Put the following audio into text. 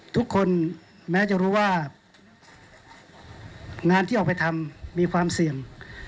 ทุกคนแม้จะรู้ว่างานที่ออกไปทำมีความเสี่ยง